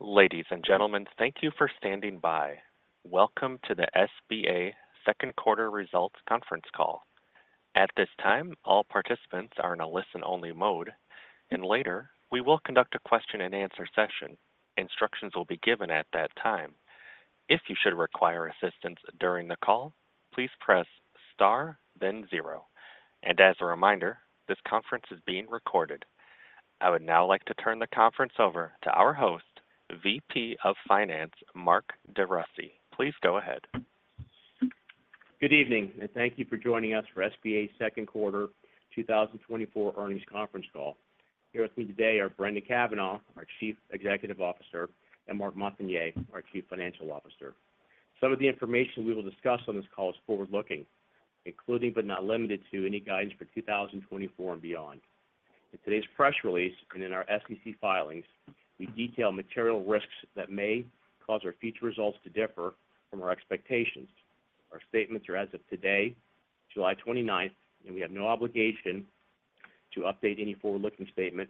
Ladies and gentlemen, thank you for standing by. Welcome to the SBA Second Quarter Results Conference Call. At this time, all participants are in a listen-only mode, and later we will conduct a question-and-answer session. Instructions will be given at that time. If you should require assistance during the call, please press star, then zero. As a reminder, this conference is being recorded. I would now like to turn the conference over to our host, VP of Finance, Mark DeRussy. Please go ahead. Good evening, and thank you for joining us for SBA Second Quarter 2024 Earnings Conference Call. Here with me today are Brendan Cavanagh, our Chief Executive Officer, and Marc Montagner, our Chief Financial Officer. Some of the information we will discuss on this call is forward-looking, including but not limited to any guidance for 2024 and beyond. In today's press release and in our SEC filings, we detail material risks that may cause our future results to differ from our expectations. Our statements are as of today, July 29th, and we have no obligation to update any forward-looking statement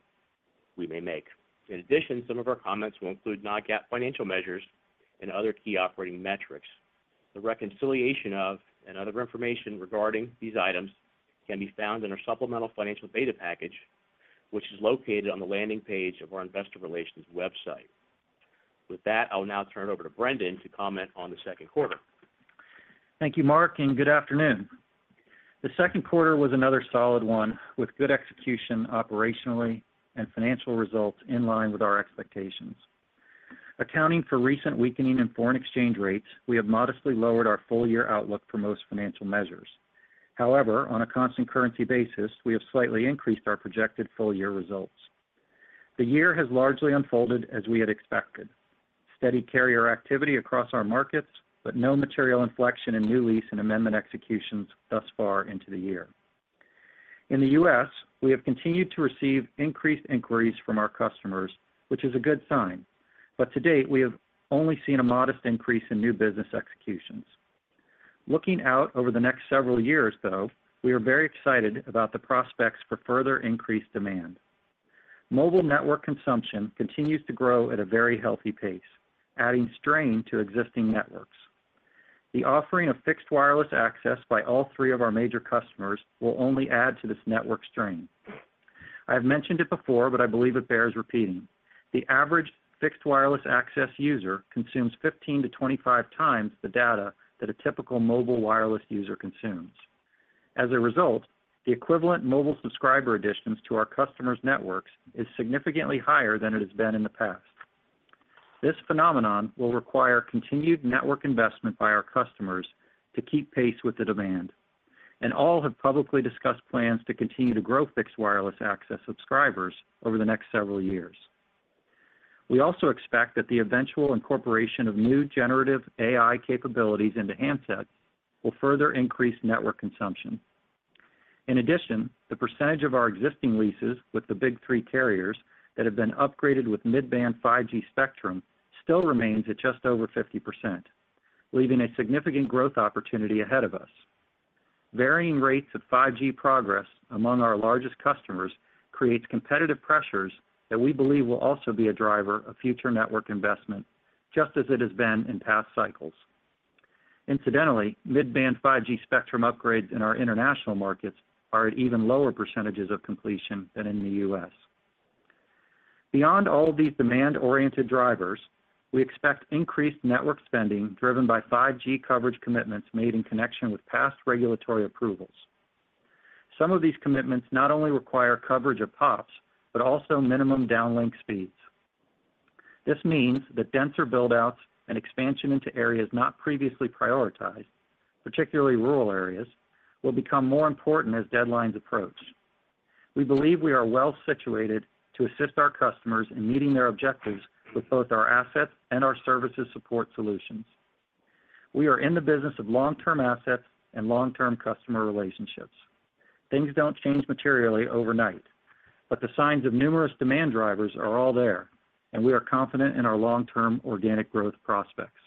we may make. In addition, some of our comments will include non-GAAP financial measures and other key operating metrics. The reconciliation of and other information regarding these items can be found in our supplemental financial data package, which is located on the landing page of our investor relations website. With that, I'll now turn it over to Brendan to comment on the second quarter. Thank you, Marc, and good afternoon. The Q2 was another solid one with good execution operationally and financial results in line with our expectations. Accounting for recent weakening in foreign exchange rates, we have modestly lowered our full-year outlook for most financial measures. However, on a constant currency basis, we have slightly increased our projected full-year results. The year has largely unfolded as we had expected. Steady carrier activity across our markets, but no material inflection in new lease and amendment executions thus far into the year. In the U.S., we have continued to receive increased inquiries from our customers, which is a good sign, but to date we have only seen a modest increase in new business executions. Looking out over the next several years, though, we are very excited about the prospects for further increased demand. Mobile network consumption continues to grow at a very healthy pace, adding strain to existing networks. The offering of fixed wireless access by all three of our major customers will only add to this network strain. I have mentioned it before, but I believe it bears repeating. The average fixed wireless access user consumes 15-25x the data that a typical mobile wireless user consumes. As a result, the equivalent mobile subscriber additions to our customers' networks are significantly higher than it has been in the past. This phenomenon will require continued network investment by our customers to keep pace with the demand, and all have publicly discussed plans to continue to grow fixed wireless access subscribers over the next several years. We also expect that the eventual incorporation of new generative AI capabilities into handsets will further increase network consumption. In addition, the percentage of our existing leases with the big three carriers that have been upgraded with Mid-band 5G spectrum still remains at just over 50%, leaving a significant growth opportunity ahead of us. Varying rates of 5G progress among our largest customers creates competitive pressures that we believe will also be a driver of future network investment, just as it has been in past cycles. Incidentally, Mid-band 5G spectrum upgrades in our international markets are at even lower percentages of completion than in the U.S. Beyond all of these demand-oriented drivers, we expect increased network spending driven by 5G coverage commitments made in connection with past regulatory approvals. Some of these commitments not only require coverage of POPs, but also minimum downlink speeds. This means that denser buildouts and expansion into areas not previously prioritized, particularly rural areas, will become more important as deadlines approach. We believe we are well situated to assist our customers in meeting their objectives with both our assets and our services support solutions. We are in the business of long-term assets and long-term customer relationships. Things don't change materially overnight, but the signs of numerous demand drivers are all there, and we are confident in our long-term organic growth prospects.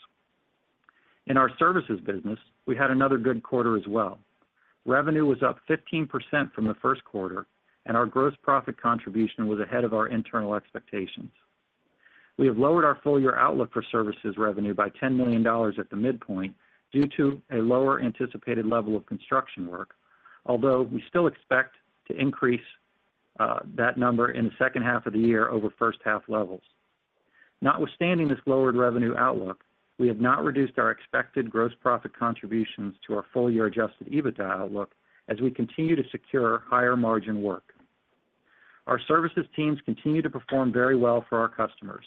In our services business, we had another good quarter as well. Revenue was up 15% from the first quarter, and our gross profit contribution was ahead of our internal expectations. We have lowered our full-year outlook for services revenue by $10 million at the midpoint due to a lower anticipated level of construction work, although we still expect to increase that number in the second half of the year over first half levels. Notwithstanding this lowered revenue outlook, we have not reduced our expected gross profit contributions to our full-year adjusted EBITDA outlook as we continue to secure higher margin work. Our services teams continue to perform very well for our customers,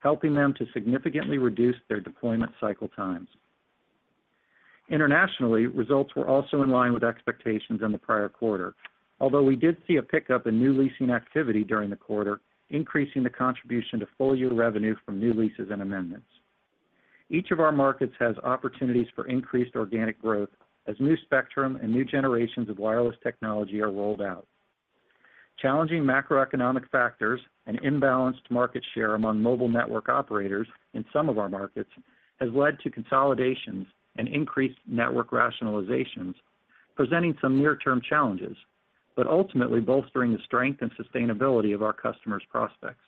helping them to significantly reduce their deployment cycle times. Internationally, results were also in line with expectations in the prior quarter, although we did see a pickup in new leasing activity during the quarter, increasing the contribution to full-year revenue from new leases and amendments. Each of our markets has opportunities for increased organic growth as new spectrum and new generations of wireless technology are rolled out. Challenging macroeconomic factors and imbalanced market share among mobile network operators in some of our markets have led to consolidations and increased network rationalizations, presenting some near-term challenges, but ultimately bolstering the strength and sustainability of our customers' prospects.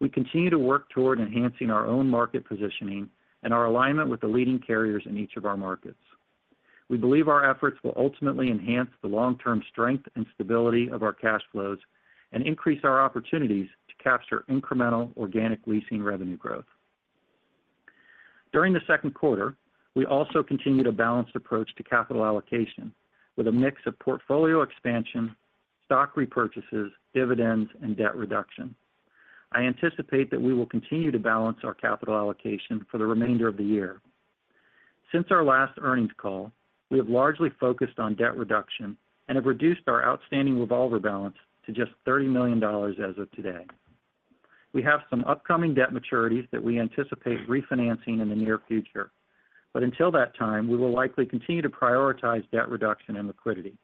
We continue to work toward enhancing our own market positioning and our alignment with the leading carriers in each of our markets. We believe our efforts will ultimately enhance the long-term strength and stability of our cash flows and increase our opportunities to capture incremental organic leasing revenue growth. During the second quarter, we also continue to balance the approach to capital allocation with a mix of portfolio expansion, stock repurchases, dividends, and debt reduction. I anticipate that we will continue to balance our capital allocation for the remainder of the year. Since our last earnings call, we have largely focused on debt reduction and have reduced our outstanding revolver balance to just $30 million as of today. We have some upcoming debt maturities that we anticipate refinancing in the near future, but until that time, we will likely continue to prioritize debt reduction and liquidity.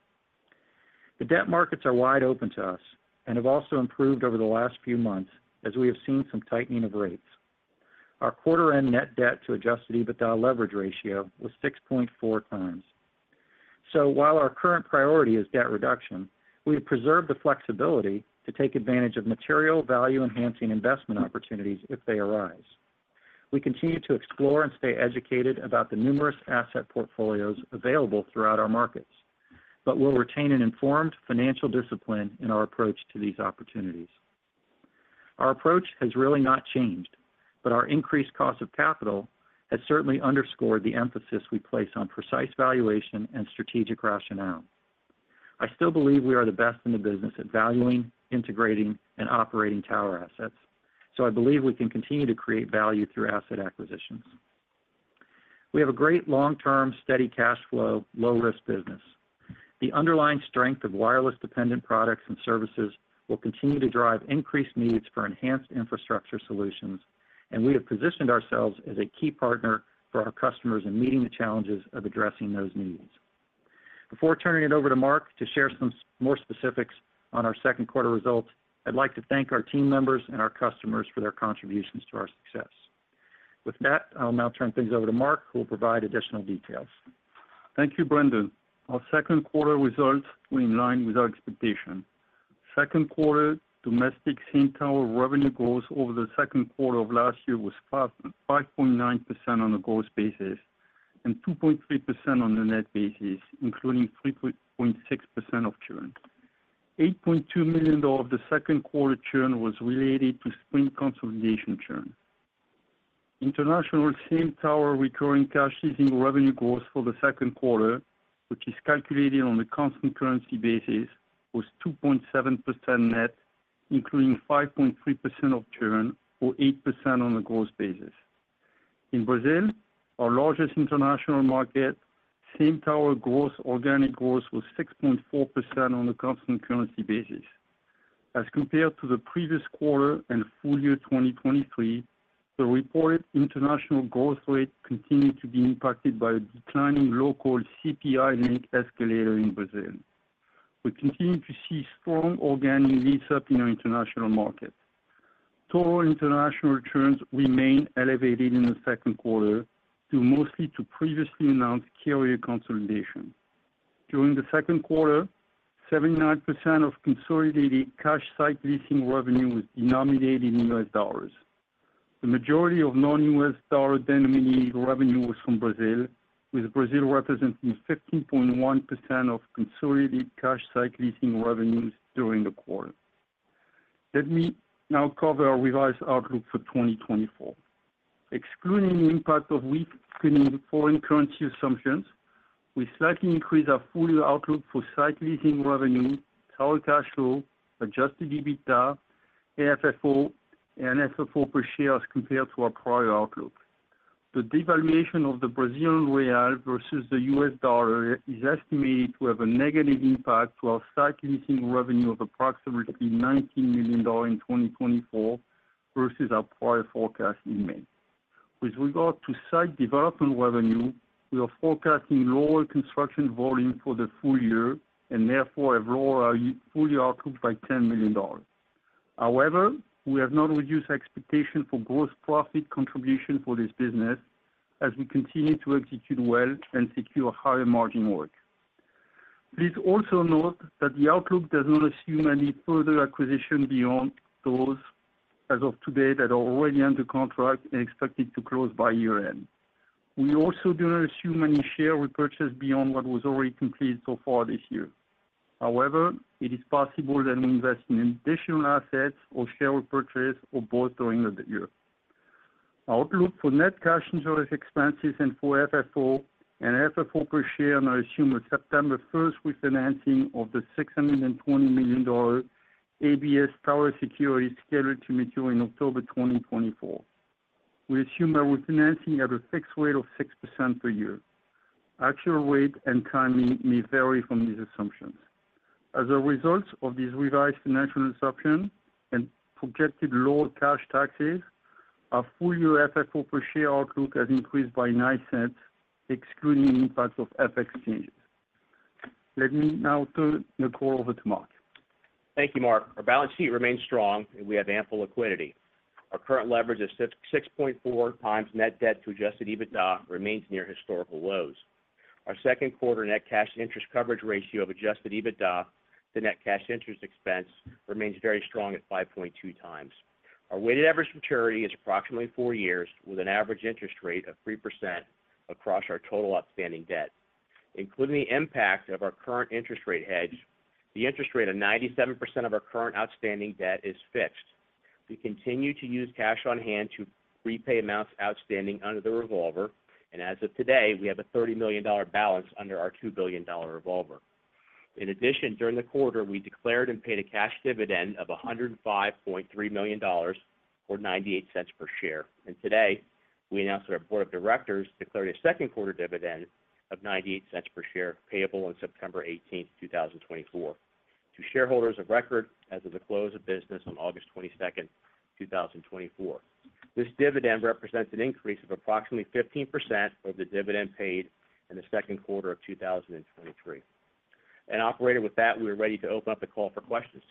The debt markets are wide open to us and have also improved over the last few months as we have seen some tightening of rates. Our quarter-end net debt to adjusted EBITDA leverage ratio was 6.4x. So while our current priority is debt reduction, we have preserved the flexibility to take advantage of material value-enhancing investment opportunities if they arise. We continue to explore and stay educated about the numerous asset portfolios available throughout our markets, but we'll retain an informed financial discipline in our approach to these opportunities. Our approach has really not changed, but our increased cost of capital has certainly underscored the emphasis we place on precise valuation and strategic rationale. I still believe we are the best in the business at valuing, integrating, and operating tower assets, so I believe we can continue to create value through asset acquisitions. We have a great long-term steady cash flow, low-risk business. The underlying strength of wireless-dependent products and services will continue to drive increased needs for enhanced infrastructure solutions, and we have positioned ourselves as a key partner for our customers in meeting the challenges of addressing those needs. Before turning it over to Marc to share some more specifics on our second quarter results, I'd like to thank our team members and our customers for their contributions to our success. With that, I'll now turn things over to Mark, who will provide additional details. Thank you, Brendan. Our Q2 results were in line with our expectations. Q2 domestic SBA tower revenue growth over the Q2 of last year was 5.9% on a gross basis and 2.3% on a net basis, including 3.6% of churn. $8.2 million of the second quarter churn was related to Sprint consolidation churn. International SBA tower recurring cash leasing revenue growth for the Q2, which is calculated on a constant currency basis, was 2.7% net, including 5.3% of churn or 8% on a gross basis. In Brazil, our largest international market, SBA tower gross organic growth was 6.4% on a constant currency basis. As compared to the previous quarter and full year 2023, the reported international growth rate continued to be impacted by a declining local CPI link escalator in Brazil. We continue to see strong organic lease-up in our international market. Total international churns remained elevated in the second quarter due mostly to previously announced carrier consolidation. During the Q2, 79% of consolidated cash site leasing revenue was denominated in U.S. dollars. The majority of non-U.S. dollar denominated revenue was from Brazil, with Brazil representing 15.1% of consolidated cash site leasing revenues during the quarter. Let me now cover our revised outlook for 2024. Excluding the impact of weakening foreign currency assumptions, we slightly increased our full-year outlook for site leasing revenue, tower cash flow, adjusted EBITDA, AFFO, and FFO per share as compared to our prior outlook. The devaluation of the Brazilian real versus the U.S. dollar is estimated to have a negative impact on site leasing revenue of approximately $19 million in 2024 versus our prior forecast in May. With regard to site development revenue, we are forecasting lower construction volume for the full year and therefore have lowered our full-year outlook by $10 million. However, we have not reduced expectations for gross profit contribution for this business as we continue to execute well and secure higher margin work. Please also note that the outlook does not assume any further acquisition beyond those as of today that are already under contract and expected to close by year-end. We also do not assume any share repurchase beyond what was already completed so far this year. However, it is possible that we invest in additional assets or share repurchase or both during the year. Outlook for net cash and service expenses and for FFO and FFO per share now assume a September 1st refinancing of the $620 million ABS tower security scheduled to mature in October 2024. We assume our refinancing at a fixed rate of 6% per year. Actual rate and timing may vary from these assumptions. As a result of these revised financial assumptions and projected lower cash taxes, our full-year FFO per share outlook has increased by $0.09, excluding impacts of FX changes. Let me now turn the call over to Marc. Thank you, Mark. Our balance sheet remains strong and we have ample liquidity. Our current leverage of 6.4x net debt to adjusted EBITDA remains near historical lows. Our second quarter net cash interest coverage ratio of adjusted EBITDA to net cash interest expense remains very strong at 5.2x. Our weighted average maturity is approximately four years with an average interest rate of 3% across our total outstanding debt. Including the impact of our current interest rate hedge, the interest rate of 97% of our current outstanding debt is fixed. We continue to use cash on hand to repay amounts outstanding under the revolver, and as of today, we have a $30 million balance under our $2 billion revolver. In addition, during the quarter, we declared and paid a cash dividend of $105.3 million or $0.98 per share. Today, we announced that our board of directors declared a Q2 dividend of $0.98 per share payable on September 18th, 2024, to shareholders of record as of the close of business on August 22nd, 2024. This dividend represents an increase of approximately 15% of the dividend paid in the Q2 of 2023. And with that, we are ready to open up the call for questions.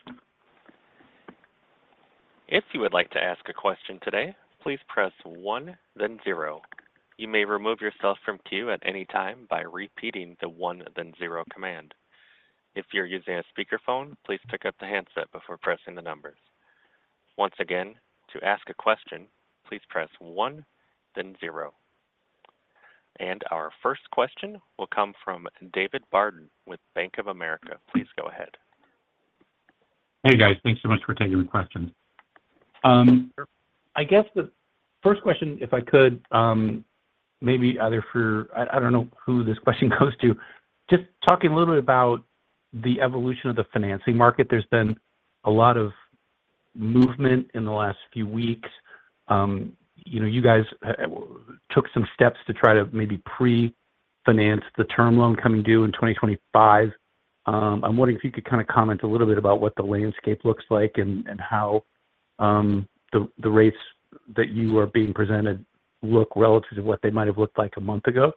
If you would like to ask a question today, please press one, then zero. You may remove yourself from queue at any time by repeating the one, then zero command. If you're using a speakerphone, please pick up the handset before pressing the numbers. Once again, to ask a question, please press one, then zero. Our first question will come from David Barden with Bank of America. Please go ahead. Hey, guys. Thanks so much for taking the question. I guess the first question, if I could, maybe either for—I don't know who this question goes to—just talking a little bit about the evolution of the financing market. There's been a lot of movement in the last few weeks. You guys took some steps to try to maybe pre-finance the term loan coming due in 2025. I'm wondering if you could kind of comment a little bit about what the landscape looks like and how the rates that you are being presented look relative to what they might have looked like a month ago.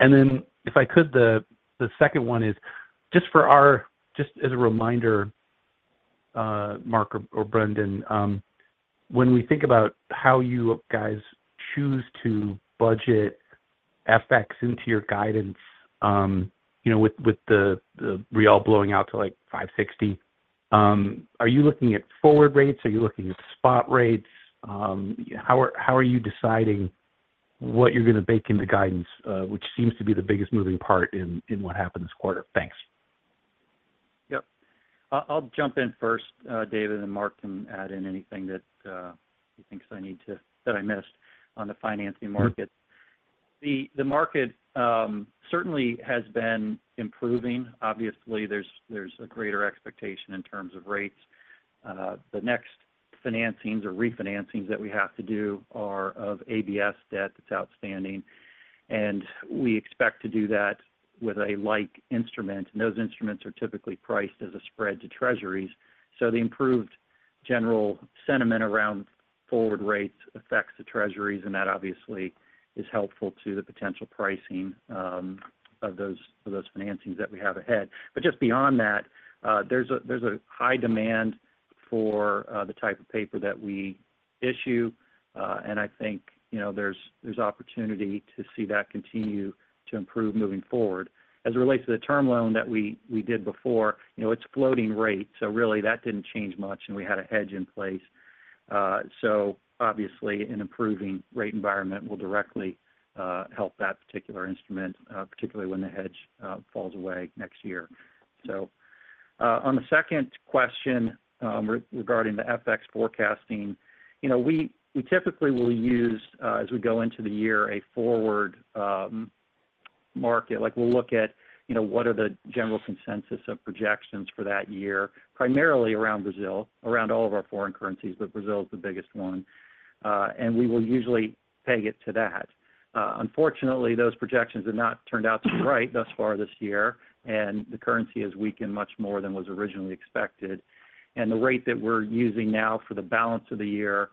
And then, if I could, the second one is just for our—just as a reminder, Mark or Brendan, when we think about how you guys choose to budget FX into your guidance with the real blowing out to like 560, are you looking at forward rates? Are you looking at spot rates? How are you deciding what you're going to bake into guidance, which seems to be the biggest moving part in what happened this quarter? Thanks. Yep. I'll jump in first, David, and Marc can add in anything that he thinks I missed on the financing market. The market certainly has been improving. Obviously, there's a greater expectation in terms of rates. The next financings or refinancings that we have to do are of ABS debt that's outstanding. We expect to do that with a like instrument. Those instruments are typically priced as a spread to treasuries. So the improved general sentiment around forward rates affects the treasuries, and that obviously is helpful to the potential pricing of those financings that we have ahead. But just beyond that, there's a high demand for the type of paper that we issue. I think there's opportunity to see that continue to improve moving forward. As it relates to the term loan that we did before, it's floating rate. So really, that didn't change much, and we had a hedge in place. So obviously, an improving rate environment will directly help that particular instrument, particularly when the hedge falls away next year. So on the second question regarding the FX forecasting, we typically will use, as we go into the year, a forward market. We'll look at what are the general consensus of projections for that year, primarily around Brazil, around all of our foreign currencies, but Brazil is the biggest one. And we will usually peg it to that. Unfortunately, those projections have not turned out to be right thus far this year, and the currency has weakened much more than was originally expected. And the rate that we're using now for the balance of the year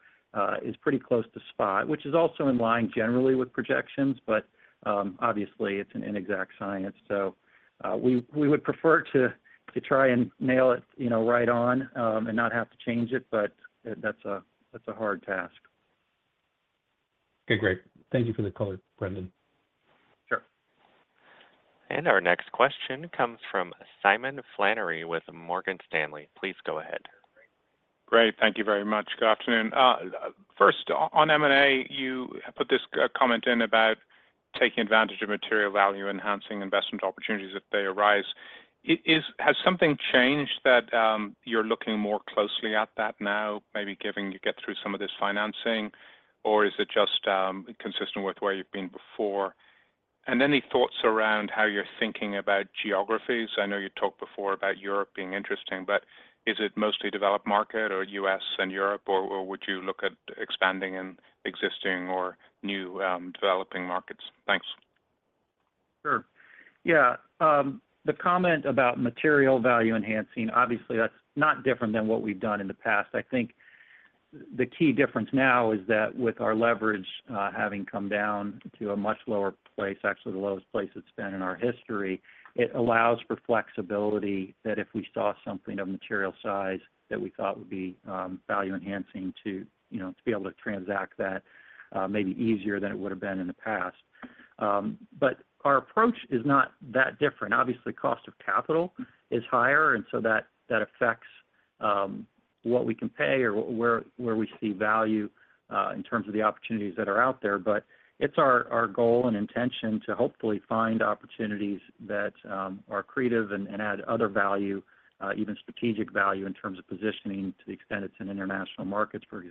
is pretty close to spot, which is also in line generally with projections, but obviously, it's an inexact science. We would prefer to try and nail it right on and not have to change it, but that's a hard task. Okay. Great. Thank you for the color, Brendan. Sure. Our next question comes from Simon Flannery with Morgan Stanley. Please go ahead. Great. Thank you very much. Good afternoon. First, on M&A, you put this comment in about taking advantage of material value, enhancing investment opportunities if they arise. Has something changed that you're looking more closely at that now, maybe once you get through some of this financing, or is it just consistent with where you've been before? And any thoughts around how you're thinking about geographies? I know you talked before about Europe being interesting, but is it mostly developed market or U.S. and Europe, or would you look at expanding in existing or new developing markets? Thanks. Sure. Yeah. The comment about material value enhancing, obviously, that's not different than what we've done in the past. I think the key difference now is that with our leverage having come down to a much lower place, actually the lowest place it's been in our history, it allows for flexibility that if we saw something of material size that we thought would be value enhancing to be able to transact that maybe easier than it would have been in the past. But our approach is not that different. Obviously, cost of capital is higher, and so that affects what we can pay or where we see value in terms of the opportunities that are out there. But it's our goal and intention to hopefully find opportunities that are creative and add other value, even strategic value in terms of positioning to the extent it's in international markets, for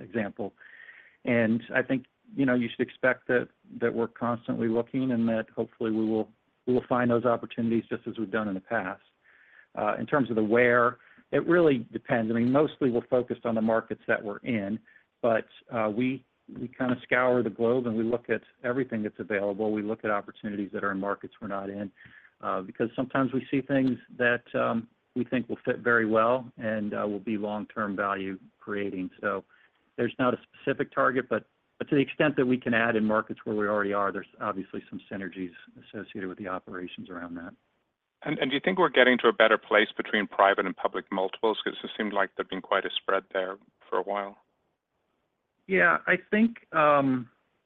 example. I think you should expect that we're constantly looking and that hopefully we will find those opportunities just as we've done in the past. In terms of the where, it really depends. I mean, mostly we're focused on the markets that we're in, but we kind of scour the globe and we look at everything that's available. We look at opportunities that are in markets we're not in because sometimes we see things that we think will fit very well and will be long-term value creating. So there's not a specific target, but to the extent that we can add in markets where we already are, there's obviously some synergies associated with the operations around that. Do you think we're getting to a better place between private and public multiples? Because it seemed like there'd been quite a spread there for a while. Yeah. I think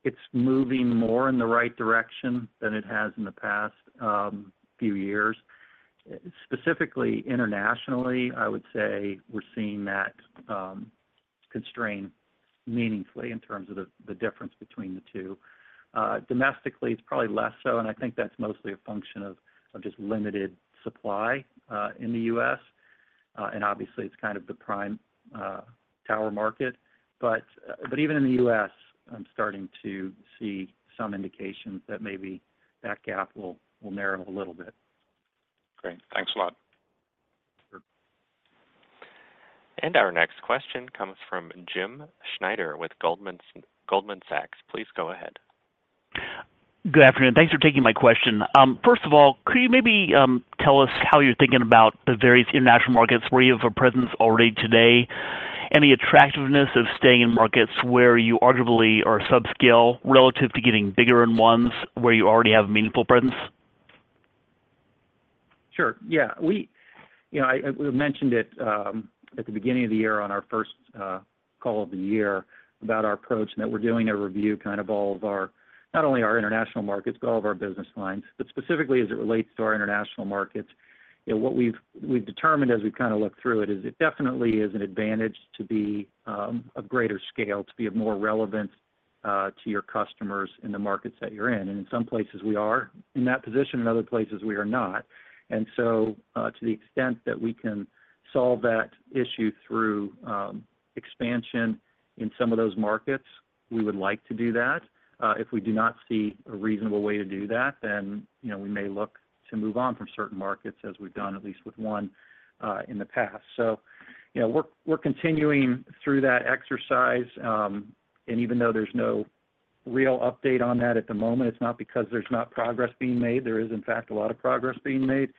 it's moving more in the right direction than it has in the past few years. Specifically, internationally, I would say we're seeing that constrain meaningfully in terms of the difference between the two. Domestically, it's probably less so, and I think that's mostly a function of just limited supply in the U.S. Obviously, it's kind of the prime tower market. Even in the U.S., I'm starting to see some indications that maybe that gap will narrow a little bit. Great. Thanks a lot. Our next question comes from Jim Schneider with Goldman Sachs. Please go ahead. Good afternoon. Thanks for taking my question. First of all, could you maybe tell us how you're thinking about the various international markets? Where you have a presence already today? Any attractiveness of staying in markets where you arguably are subscale relative to getting bigger in ones where you already have a meaningful presence? Sure. Yeah. We mentioned it at the beginning of the year on our first call of the year about our approach and that we're doing a review kind of all of our not only our international markets, but all of our business lines. But specifically, as it relates to our international markets, what we've determined as we've kind of looked through it is it definitely is an advantage to be of greater scale, to be of more relevance to your customers in the markets that you're in. And in some places, we are in that position. In other places, we are not. And so to the extent that we can solve that issue through expansion in some of those markets, we would like to do that. If we do not see a reasonable way to do that, then we may look to move on from certain markets as we've done, at least with one in the past. So we're continuing through that exercise. And even though there's no real update on that at the moment, it's not because there's not progress being made. There is, in fact, a lot of progress being made.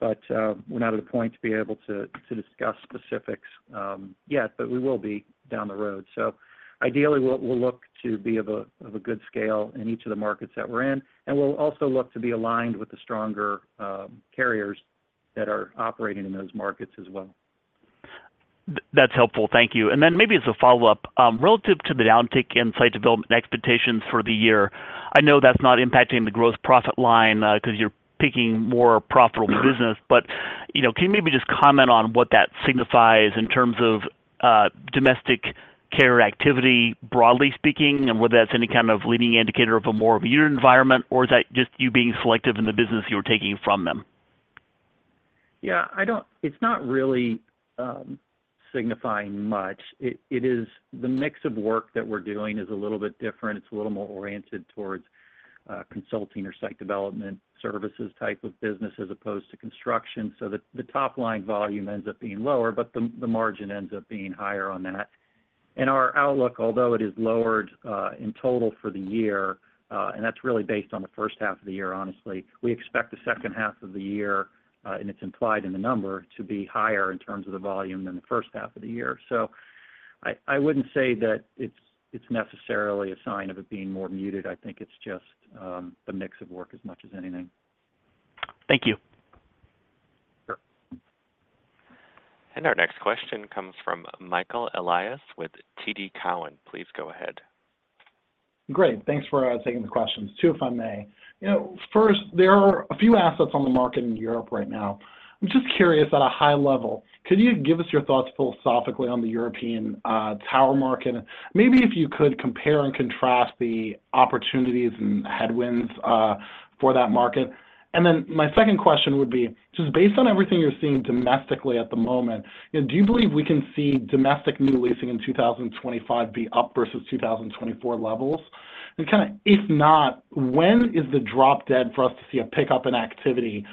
But we're not at a point to be able to discuss specifics yet, but we will be down the road. So ideally, we'll look to be of a good scale in each of the markets that we're in. And we'll also look to be aligned with the stronger carriers that are operating in those markets as well. That's helpful. Thank you. And then maybe as a follow-up, relative to the downtick in site development expectations for the year, I know that's not impacting the gross profit line because you're picking more profitable business. But can you maybe just comment on what that signifies in terms of domestic carrier activity, broadly speaking, and whether that's any kind of leading indicator of a more of a unit environment, or is that just you being selective in the business you're taking from them? Yeah. It's not really signifying much. The mix of work that we're doing is a little bit different. It's a little more oriented towards consulting or site development services type of business as opposed to construction. So the top line volume ends up being lower, but the margin ends up being higher on that. And our outlook, although it is lowered in total for the year, and that's really based on the first half of the year, honestly, we expect the second half of the year, and it's implied in the number, to be higher in terms of the volume than the first half of the year. So I wouldn't say that it's necessarily a sign of it being more muted. I think it's just the mix of work as much as anything. Thank you. Our next question comes from Michael Elias with TD Cowen. Please go ahead. Great. Thanks for taking the questions, too, if I may. First, there are a few assets on the market in Europe right now. I'm just curious at a high level, could you give us your thoughts philosophically on the European tower market? Maybe if you could compare and contrast the opportunities and headwinds for that market. And then my second question would be, just based on everything you're seeing domestically at the moment, do you believe we can see domestic new leasing in 2025 be up versus 2024 levels? And kind of if not, when is the drop dead for us to see a pickup in activity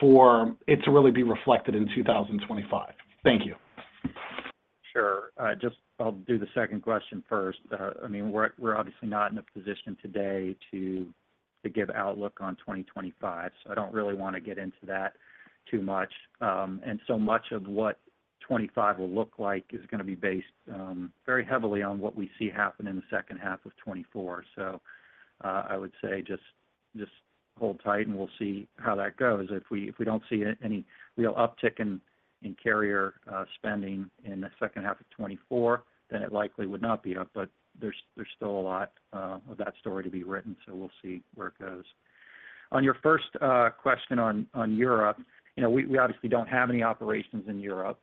for it to really be reflected in 2025? Thank you. Sure. Just I'll do the second question first. I mean, we're obviously not in a position today to give outlook on 2025. So I don't really want to get into that too much. And so much of what 2025 will look like is going to be based very heavily on what we see happen in the second half of 2024. So I would say just hold tight, and we'll see how that goes. If we don't see any real uptick in carrier spending in the second half of 2024, then it likely would not be up. But there's still a lot of that story to be written, so we'll see where it goes. On your first question on Europe, we obviously don't have any operations in Europe.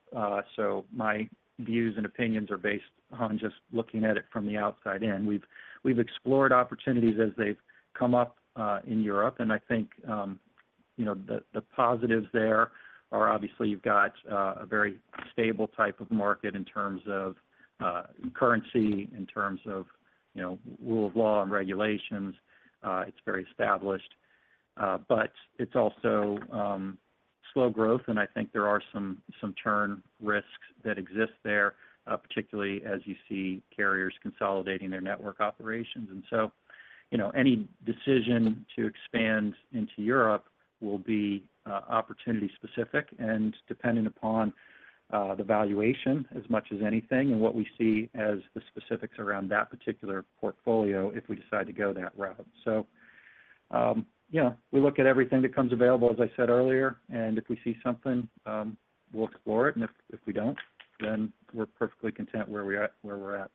So my views and opinions are based on just looking at it from the outside in. We've explored opportunities as they've come up in Europe. And I think the positives there are obviously you've got a very stable type of market in terms of currency, in terms of rule of law and regulations. It's very established. But it's also slow growth, and I think there are some churn risks that exist there, particularly as you see carriers consolidating their network operations. And so any decision to expand into Europe will be opportunity specific and dependent upon the valuation as much as anything and what we see as the specifics around that particular portfolio if we decide to go that route. So we look at everything that comes available, as I said earlier. And if we see something, we'll explore it. And if we don't, then we're perfectly content where we're at.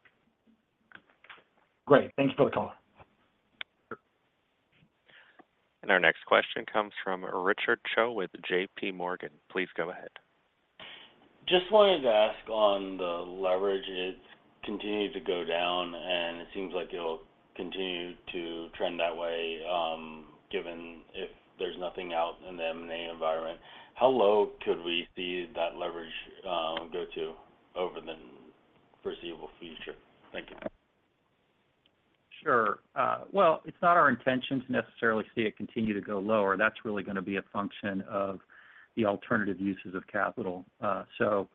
Great. Thank you for the call. Our next question comes from Richard Choe with JP Morgan. Please go ahead. Just wanted to ask on the leverage. It's continued to go down, and it seems like it'll continue to trend that way given if there's nothing out in the M&A environment. How low could we see that leverage go to over the foreseeable future? Thank you. Sure. Well, it's not our intention to necessarily see it continue to go lower. That's really going to be a function of the alternative uses of capital. So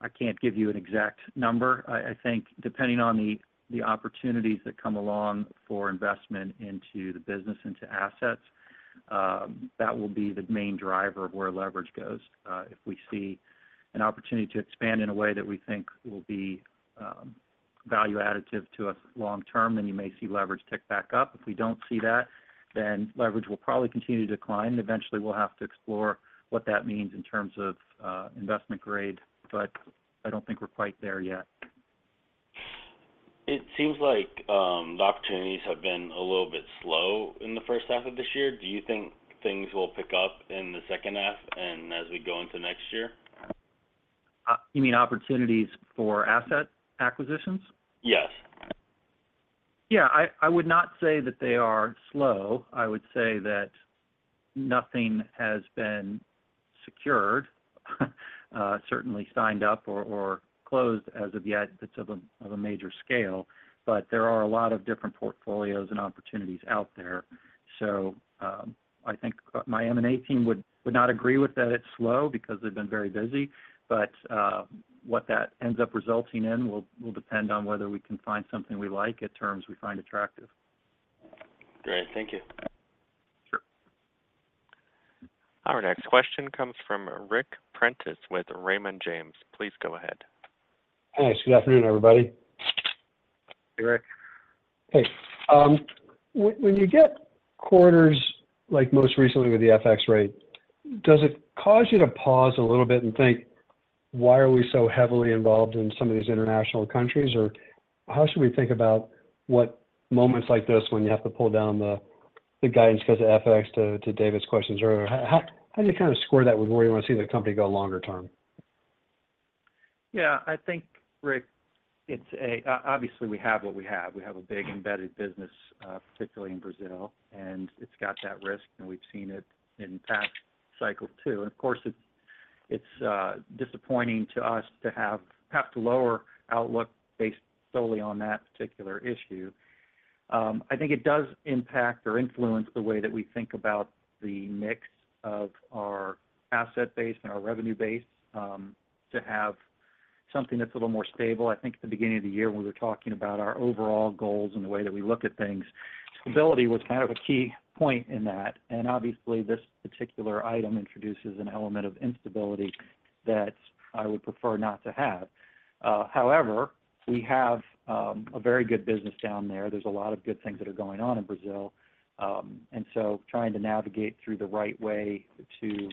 I can't give you an exact number. I think depending on the opportunities that come along for investment into the business, into assets, that will be the main driver of where leverage goes. If we see an opportunity to expand in a way that we think will be value additive to us long term, then you may see leverage tick back up. If we don't see that, then leverage will probably continue to decline. Eventually, we'll have to explore what that means in terms of investment grade, but I don't think we're quite there yet. It seems like the opportunities have been a little bit slow in the first half of this year. Do you think things will pick up in the second half and as we go into next year? You mean opportunities for asset acquisitions? Yes. Yeah. I would not say that they are slow. I would say that nothing has been secured, certainly signed up or closed as of yet that's of a major scale. But there are a lot of different portfolios and opportunities out there. So I think my M&A team would not agree with that it's slow because they've been very busy. But what that ends up resulting in will depend on whether we can find something we like at terms we find attractive. Great. Thank you. Sure. Our next question comes from Ric Prentiss with Raymond James. Please go ahead. Hey. Good afternoon, everybody. Hey, Ric. Hey. When you get quarters like most recently with the FX rate, does it cause you to pause a little bit and think, "Why are we so heavily involved in some of these international countries?" Or how should we think about moments like this when you have to pull down the guidance because of FX? To David's questions earlier, how do you kind of score that with where you want to see the company go longer term? Yeah. I think, Ric, obviously we have what we have. We have a big embedded business, particularly in Brazil. And it's got that risk, and we've seen it in past cycles, too. And of course, it's disappointing to us to have to lower outlook based solely on that particular issue. I think it does impact or influence the way that we think about the mix of our asset base and our revenue base to have something that's a little more stable. I think at the beginning of the year, when we were talking about our overall goals and the way that we look at things, stability was kind of a key point in that. And obviously, this particular item introduces an element of instability that I would prefer not to have. However, we have a very good business down there. There's a lot of good things that are going on in Brazil. And so trying to navigate through the right way to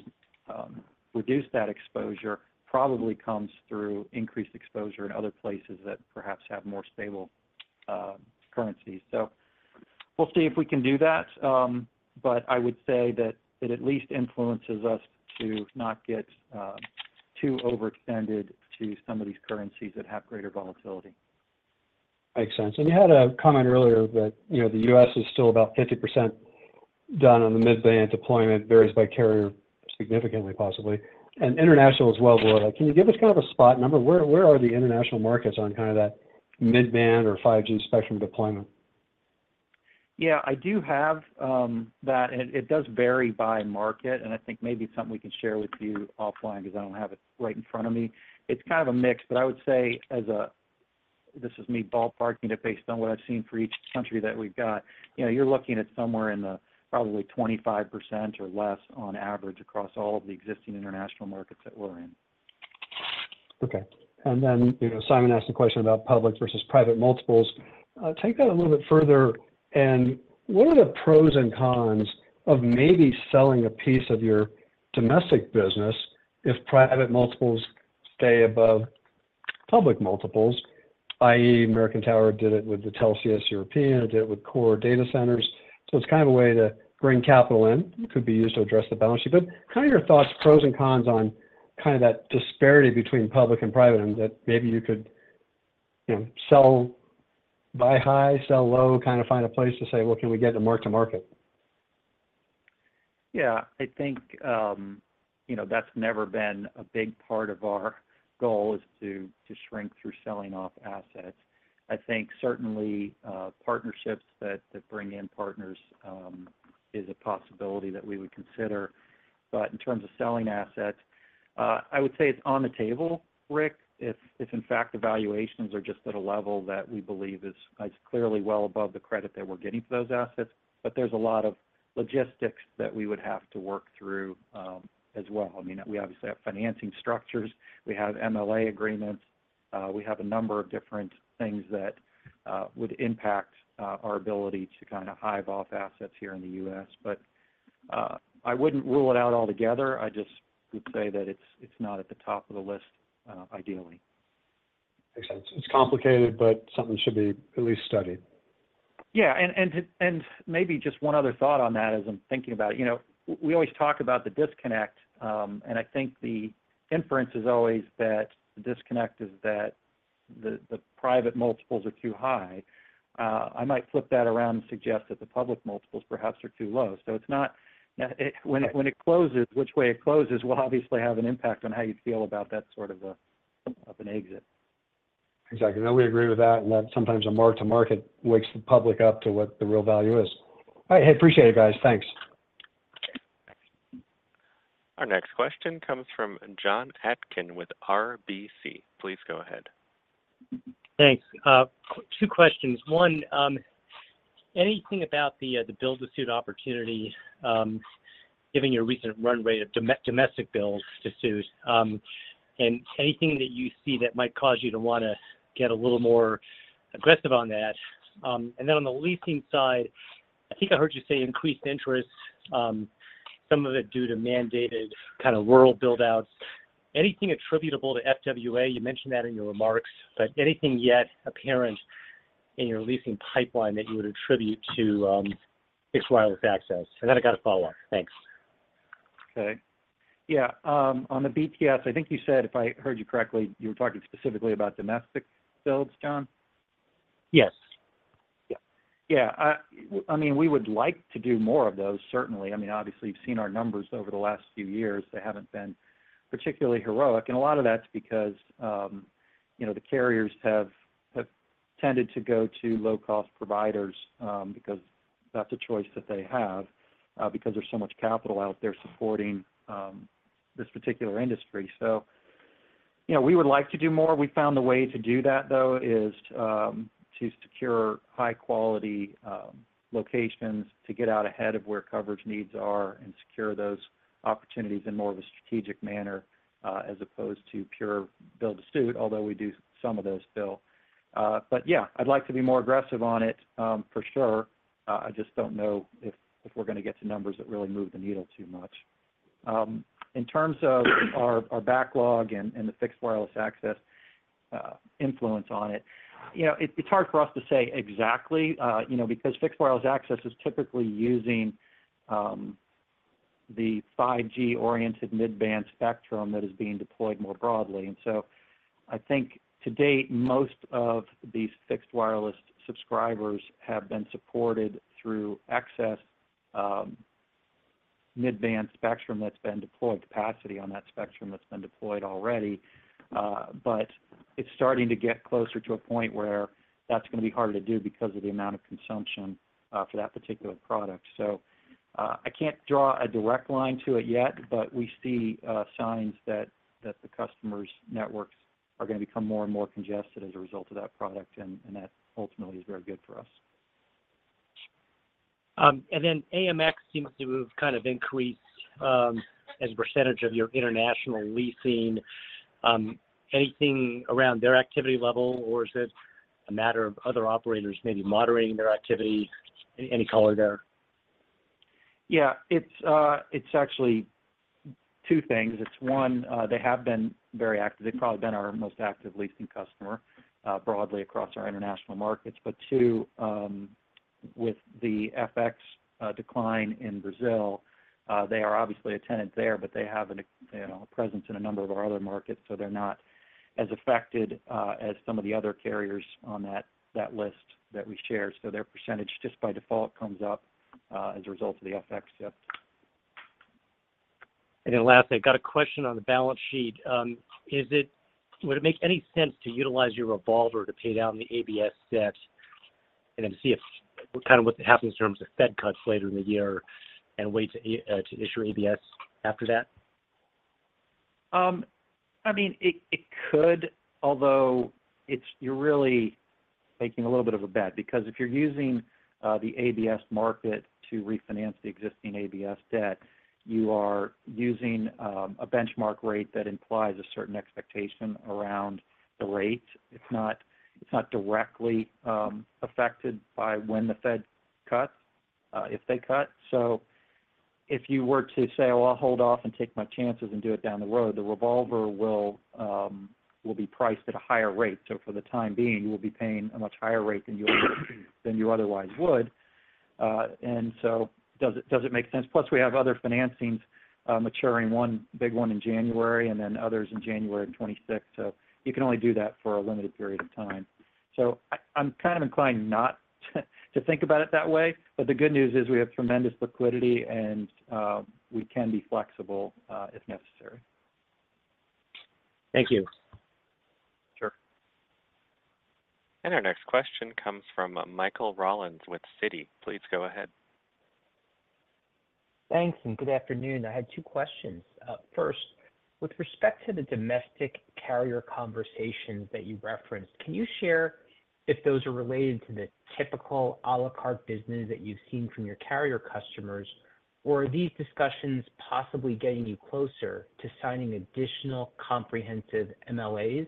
reduce that exposure probably comes through increased exposure in other places that perhaps have more stable currencies. So we'll see if we can do that. But I would say that it at least influences us to not get too overextended to some of these currencies that have greater volatility. Makes sense. And you had a comment earlier that the U.S. is still about 50% done on the mid-band deployment. It varies by carrier significantly, possibly. And international as well, broadly. Can you give us kind of a spot number? Where are the international markets on kind of that mid-band or 5G spectrum deployment? Yeah. I do have that. It does vary by market. And I think maybe something we can share with you offline because I don't have it right in front of me. It's kind of a mix. But I would say, as this is me ballparking it based on what I've seen for each country that we've got, you're looking at somewhere in the probably 25% or less on average across all of the existing international markets that we're in. Okay. And then Simon asked a question about public versus private multiples. Take that a little bit further. And what are the pros and cons of maybe selling a piece of your domestic business if private multiples stay above public multiples, i.e., American Tower did it with the Cellnex European, did it with CoreSite? So it's kind of a way to bring capital in. It could be used to address the balance sheet. But kind of your thoughts, pros and cons on kind of that disparity between public and private and that maybe you could sell high, buy low, kind of find a place to say, "Well, can we get into mark-to-market? Yeah. I think that's never been a big part of our goal is to shrink through selling off assets. I think certainly partnerships that bring in partners is a possibility that we would consider. But in terms of selling assets, I would say it's on the table, Ric, if in fact the valuations are just at a level that we believe is clearly well above the credit that we're getting for those assets. But there's a lot of logistics that we would have to work through as well. I mean, we obviously have financing structures. We have MLA agreements. We have a number of different things that would impact our ability to kind of hive off assets here in the U.S. But I wouldn't rule it out altogether. I just would say that it's not at the top of the list, ideally. Makes sense. It's complicated, but something should be at least studied. Yeah. And maybe just one other thought on that as I'm thinking about it. We always talk about the disconnect. And I think the inference is always that the disconnect is that the private multiples are too high. I might flip that around and suggest that the public multiples perhaps are too low. So when it closes, which way it closes, will obviously have an impact on how you feel about that sort of an exit. Exactly. No, we agree with that. That sometimes a mark-to-market wakes the public up to what the real value is. All right. Hey, appreciate it, guys. Thanks. Our next question comes from Jon Atkin with RBC. Please go ahead. Thanks. Two questions. One, anything about the build-to-suit opportunity, given your recent run rate of domestic build-to-suit, and anything that you see that might cause you to want to get a little more aggressive on that? And then on the leasing side, I think I heard you say increased interest, some of it due to mandated kind of rural buildouts. Anything attributable to FWA? You mentioned that in your remarks, but anything yet apparent in your leasing pipeline that you would attribute to fixed wireless access? And then I got a follow-up. Thanks. Okay. Yeah. On the BTS, I think you said, if I heard you correctly, you were talking specifically about domestic builds, Jon? Yes. Yeah. Yeah. I mean, we would like to do more of those, certainly. I mean, obviously, you've seen our numbers over the last few years. They haven't been particularly heroic. And a lot of that's because the carriers have tended to go to low-cost providers because that's a choice that they have because there's so much capital out there supporting this particular industry. So we would like to do more. We found the way to do that, though, is to secure high-quality locations to get out ahead of where coverage needs are and secure those opportunities in more of a strategic manner as opposed to pure build-to-suit, although we do some of those still. But yeah, I'd like to be more aggressive on it, for sure. I just don't know if we're going to get to numbers that really move the needle too much. In terms of our backlog and the fixed wireless access influence on it, it's hard for us to say exactly because fixed wireless access is typically using the 5G-oriented mid-band spectrum that is being deployed more broadly. And so I think to date, most of these fixed wireless subscribers have been supported through excess mid-band spectrum that's been deployed, capacity on that spectrum that's been deployed already. But it's starting to get closer to a point where that's going to be harder to do because of the amount of consumption for that particular product. So I can't draw a direct line to it yet, but we see signs that the customer's networks are going to become more and more congested as a result of that product. And that ultimately is very good for us. And then AMX seems to have kind of increased as a percentage of your international leasing. Anything around their activity level, or is it a matter of other operators maybe moderating their activity? Any color there? Yeah. It's actually two things. One, they have been very active. They've probably been our most active leasing customer broadly across our international markets. But two, with the FX decline in Brazil, they are obviously a tenant there, but they have a presence in a number of our other markets. So they're not as affected as some of the other carriers on that list that we share. So their percentage just by default comes up as a result of the FX shift. Then lastly, I've got a question on the balance sheet. Would it make any sense to utilize your revolver to pay down the ABS debt and then see kind of what happens in terms of Fed cuts later in the year and wait to issue ABS after that? I mean, it could, although you're really making a little bit of a bet because if you're using the ABS market to refinance the existing ABS debt, you are using a benchmark rate that implies a certain expectation around the rate. It's not directly affected by when the Fed cuts, if they cut. So if you were to say, "Well, I'll hold off and take my chances and do it down the road," the revolver will be priced at a higher rate. So for the time being, you will be paying a much higher rate than you otherwise would. And so does it make sense? Plus, we have other financings maturing, one big one in January and then others in January of 2026. So you can only do that for a limited period of time. So I'm kind of inclined not to think about it that way. But the good news is we have tremendous liquidity, and we can be flexible if necessary. Thank you. Sure. Our next question comes from Michael Rollins with Citi. Please go ahead. Thanks. And good afternoon. I had two questions. First, with respect to the domestic carrier conversations that you referenced, can you share if those are related to the typical à la carte business that you've seen from your carrier customers, or are these discussions possibly getting you closer to signing additional comprehensive MLAs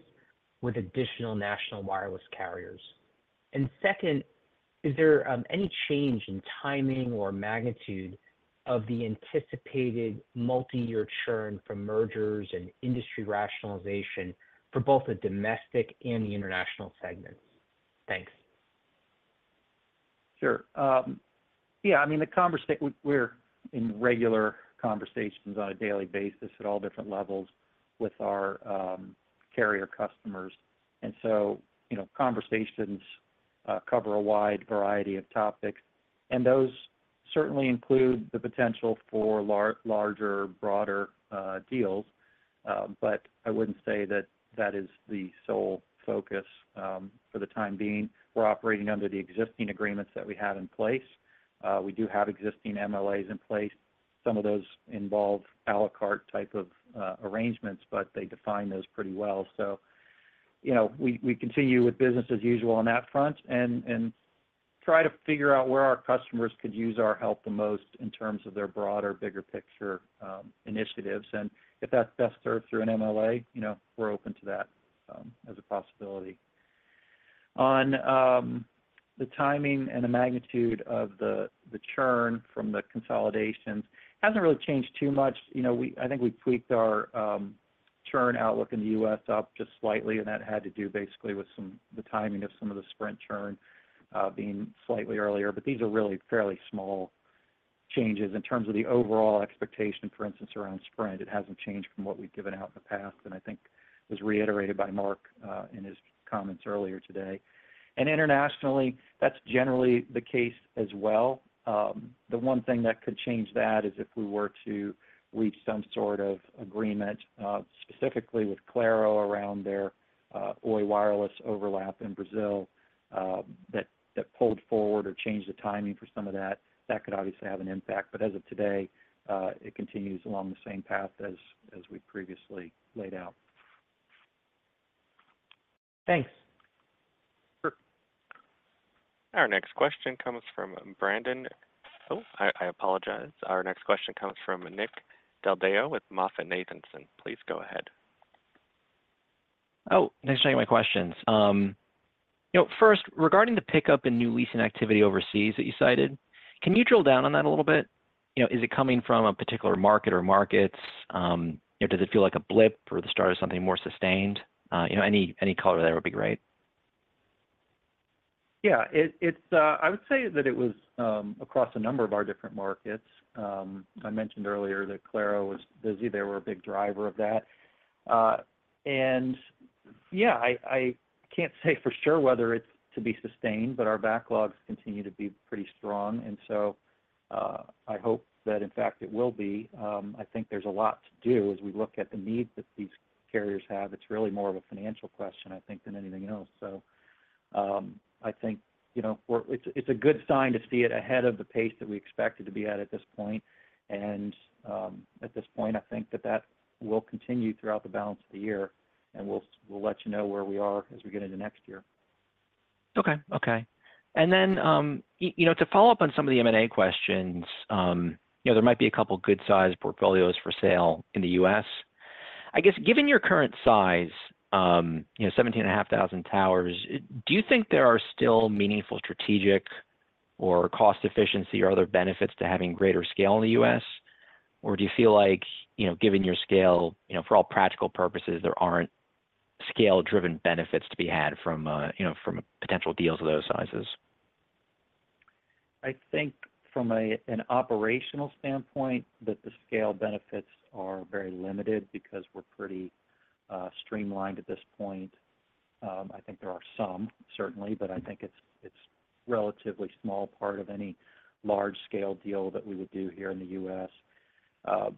with additional national wireless carriers? And second, is there any change in timing or magnitude of the anticipated multi-year churn from mergers and industry rationalization for both the domestic and the international segments? Thanks. Sure. Yeah. I mean, we're in regular conversations on a daily basis at all different levels with our carrier customers. And so conversations cover a wide variety of topics. And those certainly include the potential for larger, broader deals. But I wouldn't say that that is the sole focus for the time being. We're operating under the existing agreements that we have in place. We do have existing MLAs in place. Some of those involve à la carte type of arrangements, but they define those pretty well. So we continue with business as usual on that front and try to figure out where our customers could use our help the most in terms of their broader, bigger picture initiatives. And if that's best served through an MLA, we're open to that as a possibility. On the timing and the magnitude of the churn from the consolidations, it hasn't really changed too much. I think we tweaked our churn outlook in the U.S. up just slightly, and that had to do basically with the timing of some of the Sprint churn being slightly earlier. But these are really fairly small changes in terms of the overall expectation, for instance, around Sprint. It hasn't changed from what we've given out in the past, and I think was reiterated by Mark in his comments earlier today. And internationally, that's generally the case as well. The one thing that could change that is if we were to reach some sort of agreement specifically with Claro around their Oi wireless overlap in Brazil that pulled forward or changed the timing for some of that, that could obviously have an impact. As of today, it continues along the same path as we previously laid out. Thanks. Our next question comes from Brendan. Oh, I apologize. Our next question comes from Nick Del Deo with MoffettNathanson. Please go ahead. Oh, thanks for taking my questions. First, regarding the pickup in new leasing activity overseas that you cited, can you drill down on that a little bit? Is it coming from a particular market or markets? Does it feel like a blip or the start of something more sustained? Any color there would be great. Yeah. I would say that it was across a number of our different markets. I mentioned earlier that Claro was busy. They were a big driver of that. And yeah, I can't say for sure whether it's to be sustained, but our backlogs continue to be pretty strong. And so I hope that, in fact, it will be. I think there's a lot to do as we look at the needs that these carriers have. It's really more of a financial question, I think, than anything else. So I think it's a good sign to see it ahead of the pace that we expect it to be at at this point. And at this point, I think that that will continue throughout the balance of the year, and we'll let you know where we are as we get into next year. Okay. Okay. And then to follow up on some of the M&A questions, there might be a couple of good-sized portfolios for sale in the U.S. I guess, given your current size, 17,500 towers, do you think there are still meaningful strategic or cost efficiency or other benefits to having greater scale in the U.S.? Or do you feel like, given your scale, for all practical purposes, there aren't scale-driven benefits to be had from potential deals of those sizes? I think from an operational standpoint that the scale benefits are very limited because we're pretty streamlined at this point. I think there are some, certainly, but I think it's a relatively small part of any large-scale deal that we would do here in the U.S.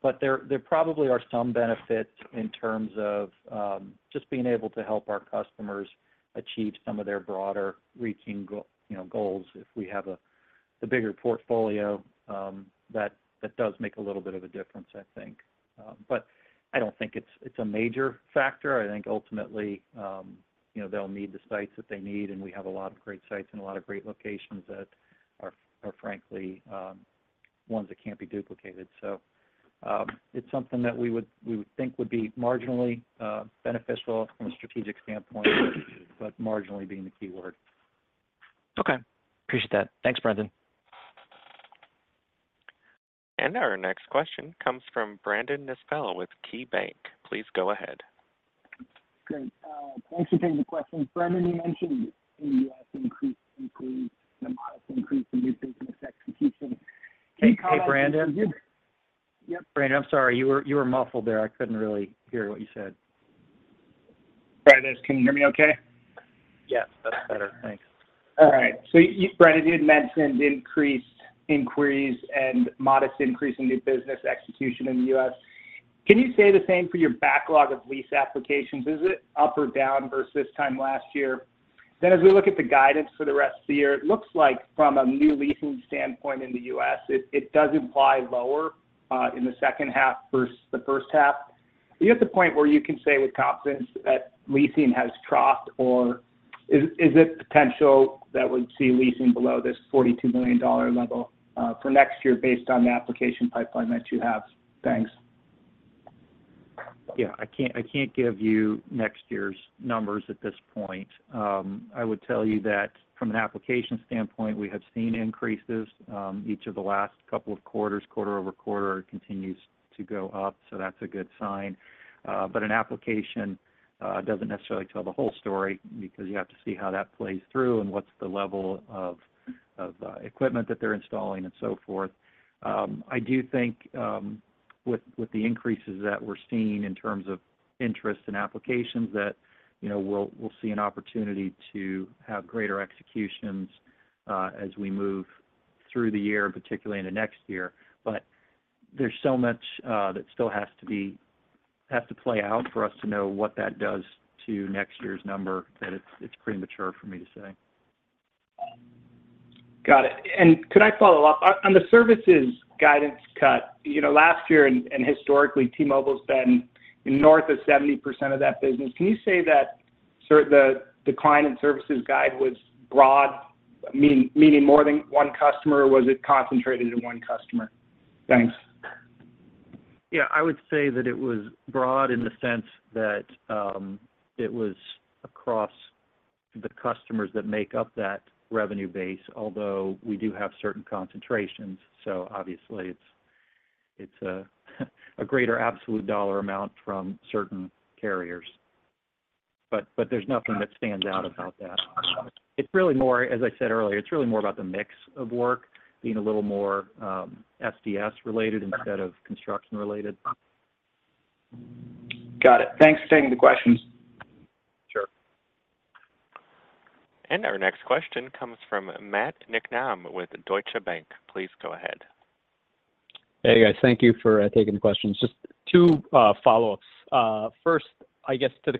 But there probably are some benefits in terms of just being able to help our customers achieve some of their broader reaching goals. If we have a bigger portfolio, that does make a little bit of a difference, I think. But I don't think it's a major factor. I think ultimately they'll need the sites that they need, and we have a lot of great sites and a lot of great locations that are, frankly, ones that can't be duplicated. So it's something that we would think would be marginally beneficial from a strategic standpoint, but marginally being the key word. Okay. Appreciate that. Thanks, Brendan. Our next question comes from Brandon Nispel with KeyBanc Capital Markets. Please go ahead. Thanks for taking the question. Brandon, you mentioned in the U.S. increased inquiries and modest increase in new business execution. Hey, Brandon. Yep. Brandon, I'm sorry. You were muffled there. I couldn't really hear what you said. Can you hear me okay? Yes, that's better. Thanks. All right. So Brendan, you had mentioned increased inquiries and modest increase in new business execution in the US. Can you say the same for your backlog of lease applications? Is it up or down versus this time last year? Then as we look at the guidance for the rest of the year, it looks like from a new leasing standpoint in the US, it does imply lower in the second half versus the first half. Are you at the point where you can say with confidence that leasing has dropped, or is it potential that we'd see leasing below this $42 million level for next year based on the application pipeline that you have? Thanks. Yeah. I can't give you next year's numbers at this point. I would tell you that from an application standpoint, we have seen increases each of the last couple of quarters. Quarter-over-quarter, it continues to go up. So that's a good sign. But an application doesn't necessarily tell the whole story because you have to see how that plays through and what's the level of equipment that they're installing and so forth. I do think with the increases that we're seeing in terms of interest in applications, that we'll see an opportunity to have greater executions as we move through the year, particularly into next year. But there's so much that still has to play out for us to know what that does to next year's number that it's premature for me to say. Got it. And could I follow up? On the services guidance cut, last year and historically, T-Mobile's been north of 70% of that business. Can you say that the decline in services guide was broad, meaning more than one customer, or was it concentrated in one customer? Thanks. Yeah. I would say that it was broad in the sense that it was across the customers that make up that revenue base, although we do have certain concentrations. So obviously, it's a greater absolute dollar amount from certain carriers. But there's nothing that stands out about that. As I said earlier, it's really more about the mix of work, being a little more SDS-related instead of construction-related. Got it. Thanks for taking the questions. Sure. Our next question comes from Matt Niknam with Deutsche Bank. Please go ahead. Hey, guys. Thank you for taking the questions. Just two follow-ups. First, I guess to the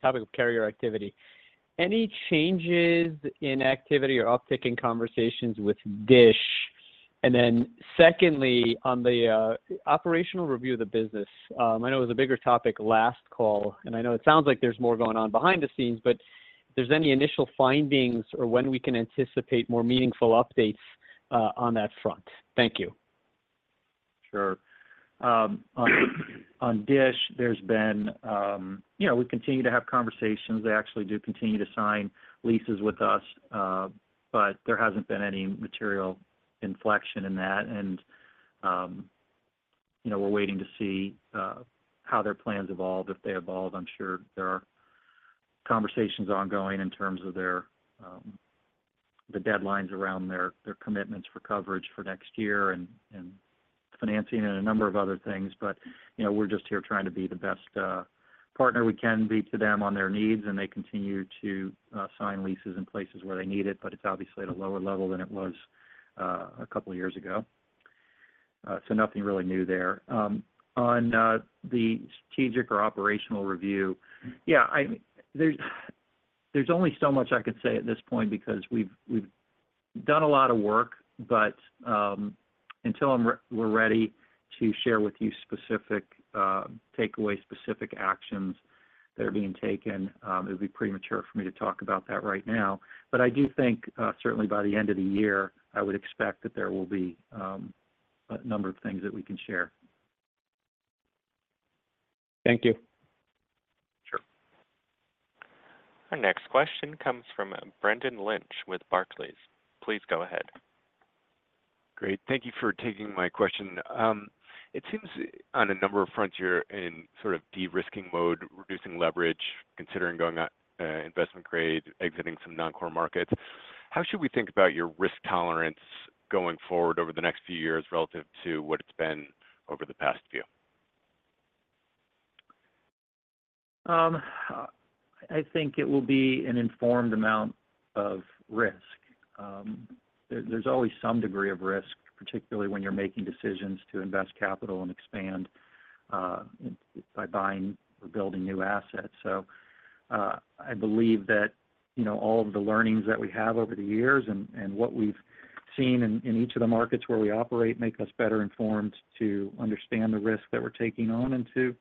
topic of carrier activity, any changes in activity or uptick in conversations with Dish? And then secondly, on the operational review of the business, I know it was a bigger topic last call, and I know it sounds like there's more going on behind the scenes, but if there's any initial findings or when we can anticipate more meaningful updates on that front? Thank you. Sure. On Dish, there's been, we continue to have conversations. They actually do continue to sign leases with us, but there hasn't been any material inflection in that. We're waiting to see how their plans evolve. If they evolve, I'm sure there are conversations ongoing in terms of the deadlines around their commitments for coverage for next year and financing and a number of other things. We're just here trying to be the best partner we can be to them on their needs, and they continue to sign leases in places where they need it, but it's obviously at a lower level than it was a couple of years ago. Nothing really new there. On the strategic or operational review, yeah, there's only so much I can say at this point because we've done a lot of work, but until we're ready to share with you specific takeaways, specific actions that are being taken, it would be premature for me to talk about that right now. But I do think certainly by the end of the year, I would expect that there will be a number of things that we can share. Thank you. Sure. Our next question comes from Brendan Lynch with Barclays. Please go ahead. Great. Thank you for taking my question. It seems on a number of fronts you're in sort of de-risking mode, reducing leverage, considering going investment grade, exiting some non-core markets. How should we think about your risk tolerance going forward over the next few years relative to what it's been over the past few? I think it will be an informed amount of risk. There's always some degree of risk, particularly when you're making decisions to invest capital and expand by buying or building new assets. So I believe that all of the learnings that we have over the years and what we've seen in each of the markets where we operate make us better informed to understand the risk that we're taking on and to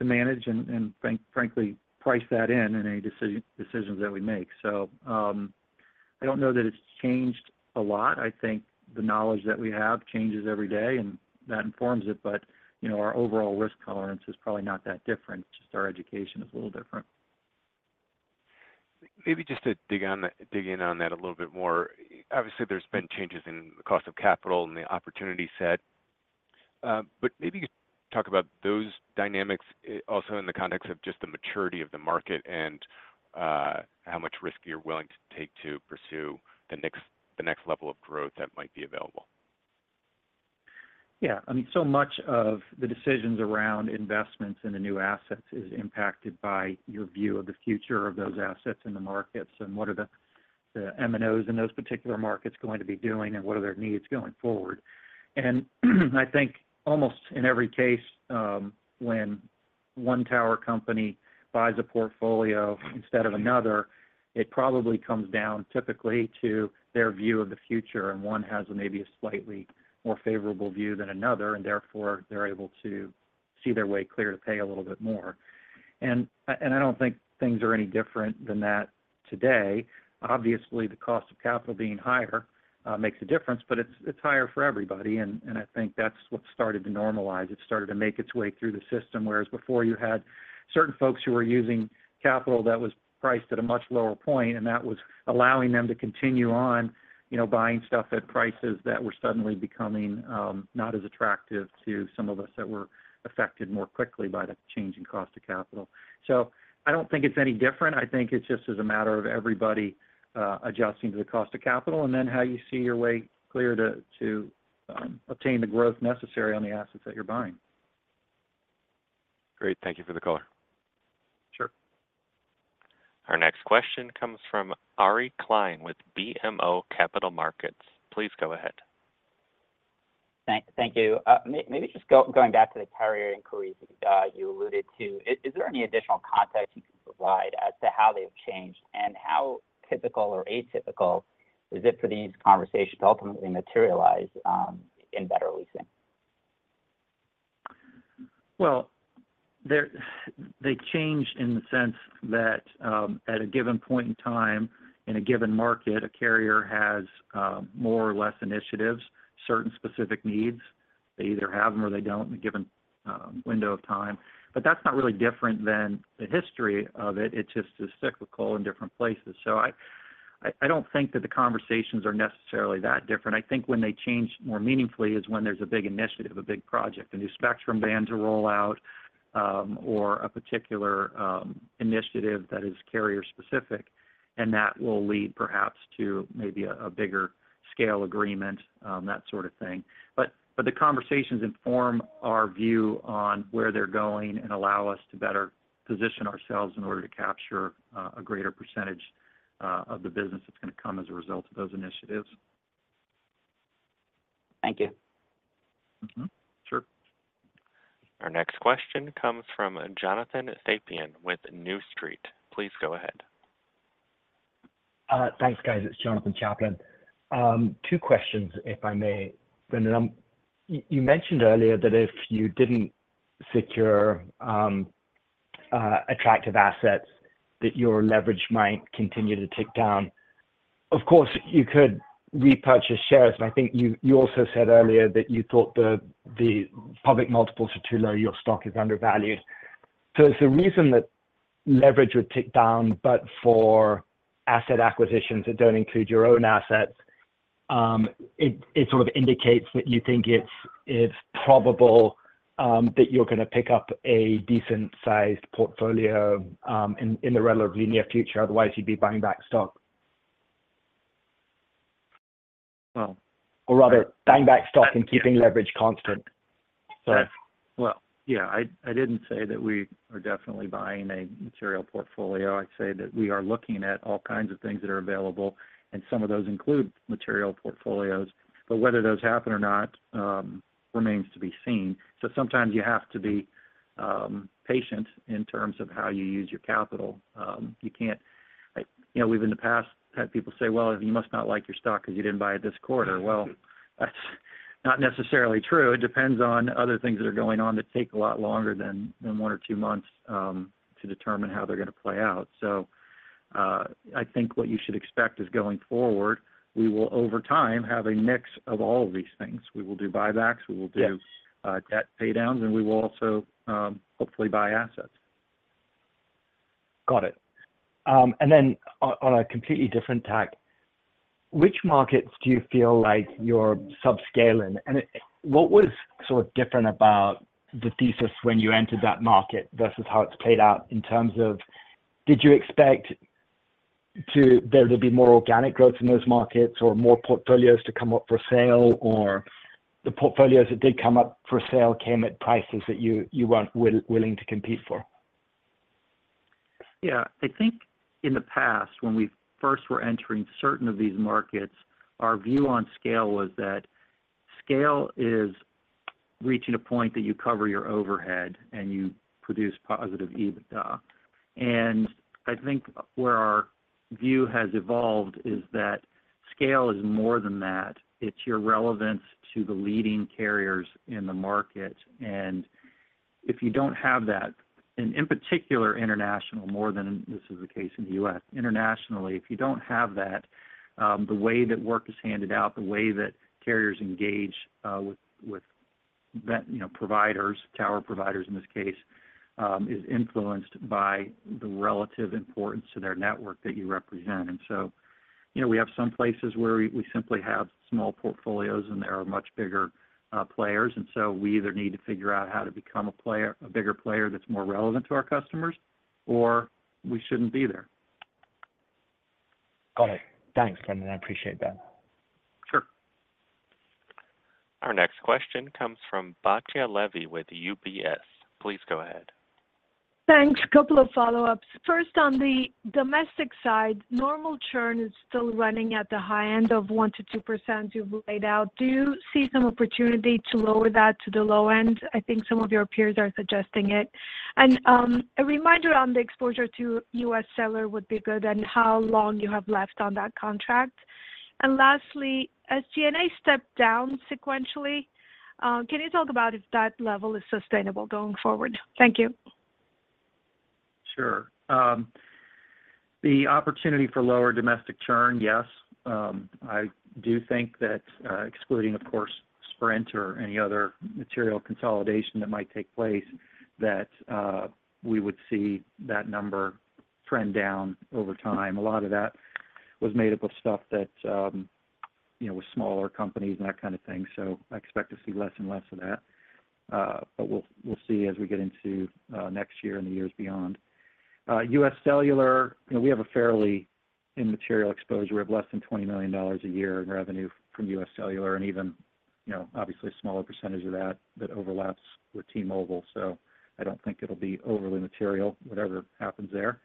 manage and, frankly, price that in in any decisions that we make. So I don't know that it's changed a lot. I think the knowledge that we have changes every day, and that informs it. But our overall risk tolerance is probably not that different. Just our education is a little different. Maybe just to dig in on that a little bit more. Obviously, there's been changes in the cost of capital and the opportunity set. But maybe you could talk about those dynamics also in the context of just the maturity of the market and how much risk you're willing to take to pursue the next level of growth that might be available? Yeah. I mean, so much of the decisions around investments in the new assets is impacted by your view of the future of those assets in the markets and what are the MNOs in those particular markets going to be doing and what are their needs going forward. And I think almost in every case, when one tower company buys a portfolio instead of another, it probably comes down typically to their view of the future, and one has maybe a slightly more favorable view than another, and therefore they're able to see their way clear to pay a little bit more. And I don't think things are any different than that today. Obviously, the cost of capital being higher makes a difference, but it's higher for everybody. And I think that's what started to normalize. It started to make its way through the system. Whereas before you had certain folks who were using capital that was priced at a much lower point, and that was allowing them to continue on buying stuff at prices that were suddenly becoming not as attractive to some of us that were affected more quickly by the change in cost of capital. So I don't think it's any different. I think it's just as a matter of everybody adjusting to the cost of capital and then how you see your way clear to obtain the growth necessary on the assets that you're buying. Great. Thank you for the color. Sure. Our next question comes from Ari Klein with BMO Capital Markets. Please go ahead. Thank you. Maybe just going back to the carrier inquiries you alluded to, is there any additional context you can provide as to how they've changed and how typical or atypical is it for these conversations to ultimately materialize in better leasing? Well, they change in the sense that at a given point in time in a given market, a carrier has more or less initiatives, certain specific needs. They either have them or they don't in a given window of time. But that's not really different than the history of it. It just is cyclical in different places. So I don't think that the conversations are necessarily that different. I think when they change more meaningfully is when there's a big initiative, a big project, a new spectrum band to roll out, or a particular initiative that is carrier-specific, and that will lead perhaps to maybe a bigger scale agreement, that sort of thing. But the conversations inform our view on where they're going and allow us to better position ourselves in order to capture a greater percentage of the business that's going to come as a result of those initiatives. Thank you. Sure. Our next question comes from Jonathan Chaplin with New Street. Please go ahead. Thanks, guys. It's Jonathan Chaplin. Two questions, if I may. You mentioned earlier that if you didn't secure attractive assets, that your leverage might continue to tick down. Of course, you could repurchase shares. And I think you also said earlier that you thought the public multiples are too low. Your stock is undervalued. So is the reason that leverage would tick down, but for asset acquisitions that don't include your own assets, it sort of indicates that you think it's probable that you're going to pick up a decent-sized portfolio in the relatively near future? Otherwise, you'd be buying back stock? Well. Or rather, buying back stock and keeping leverage constant. Well, yeah. I didn't say that we are definitely buying a material portfolio. I'd say that we are looking at all kinds of things that are available, and some of those include material portfolios. But whether those happen or not remains to be seen. So sometimes you have to be patient in terms of how you use your capital. You can't—we've in the past had people say, "Well, you must not like your stock because you didn't buy it this quarter." Well, that's not necessarily true. It depends on other things that are going on that take a lot longer than one or two months to determine how they're going to play out. So I think what you should expect is going forward, we will over time have a mix of all of these things. We will do buybacks. We will do debt paydowns, and we will also hopefully buy assets. Got it. And then on a completely different tack, which markets do you feel like you're subscaling? And what was sort of different about the thesis when you entered that market versus how it's played out in terms of, did you expect there to be more organic growth in those markets or more portfolios to come up for sale, or the portfolios that did come up for sale came at prices that you weren't willing to compete for? Yeah. I think in the past, when we first were entering certain of these markets, our view on scale was that scale is reaching a point that you cover your overhead and you produce positive EBITDA. I think where our view has evolved is that scale is more than that. It's your relevance to the leading carriers in the market. If you don't have that, and in particular internationally, more than this is the case in the U.S., internationally, if you don't have that, the way that work is handed out, the way that carriers engage with providers, tower providers in this case, is influenced by the relative importance to their network that you represent. So we have some places where we simply have small portfolios, and there are much bigger players. And so we either need to figure out how to become a bigger player that's more relevant to our customers, or we shouldn't be there. Got it. Thanks, Brendan. I appreciate that. Sure. Our next question comes from Batya Levi with UBS. Please go ahead. Thanks. A couple of follow-ups. First, on the domestic side, normal churn is still running at the high end of 1%-2% you've laid out. Do you see some opportunity to lower that to the low end? I think some of your peers are suggesting it. And a reminder on the exposure to U.S. Cellular would be good and how long you have left on that contract. And lastly, as G&A stepped down sequentially, can you talk about if that level is sustainable going forward? Thank you. Sure. The opportunity for lower domestic churn, yes. I do think that, excluding, of course, Sprint or any other material consolidation that might take place, that we would see that number trend down over time. A lot of that was made up of stuff that was smaller companies and that kind of thing. So I expect to see less and less of that. But we'll see as we get into next year and the years beyond. U.S. Cellular, we have a fairly immaterial exposure of less than $20 million a year in revenue from U.S. Cellular and even, obviously, a smaller percentage of that that overlaps with T-Mobile. So I don't think it'll be overly material whatever happens there.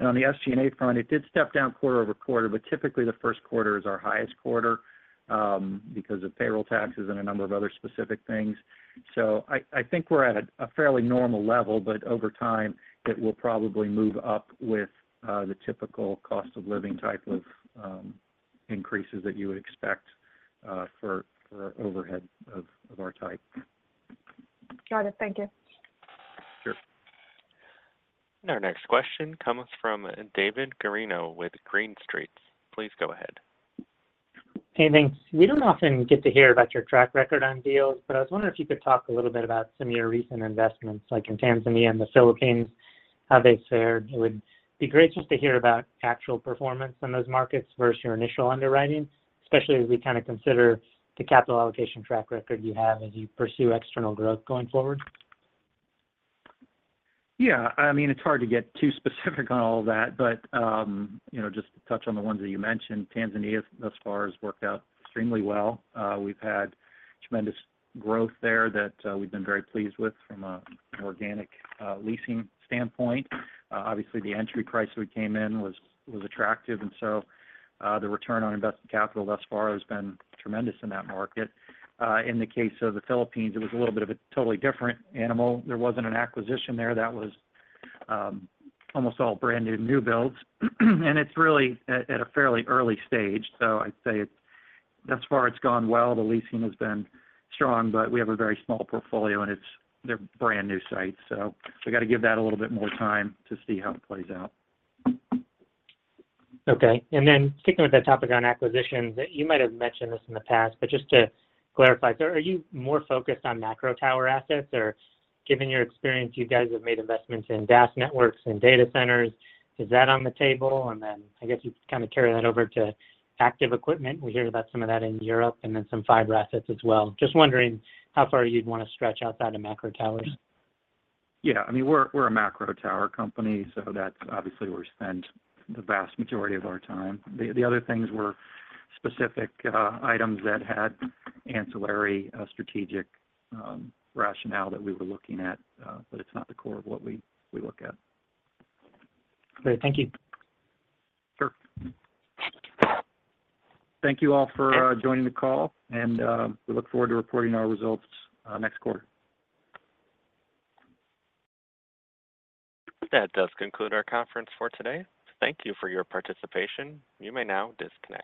On the SG&A front, it did step down quarter-over-quarter, but typically the first quarter is our highest quarter because of payroll taxes and a number of other specific things. I think we're at a fairly normal level, but over time, it will probably move up with the typical cost of living type of increases that you would expect for overhead of our type. Got it. Thank you. Sure. And our next question comes from David Guarino with Green Street. Please go ahead. Hey, gents. We don't often get to hear about your track record on deals, but I was wondering if you could talk a little bit about some of your recent investments, like in Tanzania and the Philippines, how they fared. It would be great just to hear about actual performance on those markets versus your initial underwriting, especially as we kind of consider the capital allocation track record you have as you pursue external growth going forward. Yeah. I mean, it's hard to get too specific on all of that, but just to touch on the ones that you mentioned, Tanzania thus far has worked out extremely well. We've had tremendous growth there that we've been very pleased with from an organic leasing standpoint. Obviously, the entry price we came in was attractive, and so the return on invested capital thus far has been tremendous in that market. In the case of the Philippines, it was a little bit of a totally different animal. There wasn't an acquisition there. That was almost all brand new builds. And it's really at a fairly early stage. So I'd say thus far it's gone well. The leasing has been strong, but we have a very small portfolio, and they're brand new sites. So we got to give that a little bit more time to see how it plays out. Okay. And then sticking with that topic on acquisitions, you might have mentioned this in the past, but just to clarify, so are you more focused on macro tower assets? Or given your experience, you guys have made investments in DAS networks and data centers. Is that on the table? And then I guess you'd kind of carry that over to active equipment. We hear about some of that in Europe and then some fiber assets as well. Just wondering how far you'd want to stretch outside of macro towers. Yeah. I mean, we're a macro tower company, so that's obviously where we spend the vast majority of our time. The other things were specific items that had ancillary strategic rationale that we were looking at, but it's not the core of what we look at. Great. Thank you. Sure. Thank you all for joining the call, and we look forward to reporting our results next quarter. That does conclude our conference for today. Thank you for your participation. You may now disconnect.